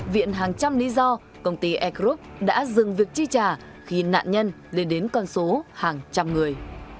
viện hàng trăm lý do công ty air group đã dừng việc chi trả khi nạn nhân lên đến con số hàng trăm người